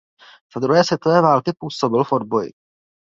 Za druhé světové války působil v odboji.